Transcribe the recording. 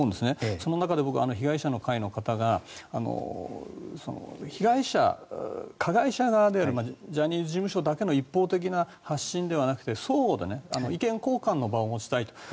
その中で被害者の会の方が加害者側であるジャニーズ事務所だけの一方的な発信ではなくて双方で意見交換の場を持ちたいと。